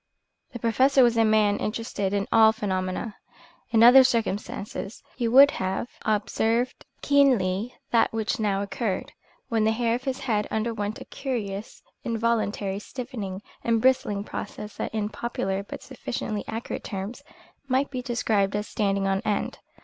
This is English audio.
The professor was a man interested in all phenomena. In other circumstances he would have observed keenly that which now occurred, when the hair of his head underwent a curious involuntary stiffening and bristling process that in popular but sufficiently accurate terms, might be described as "standing on end."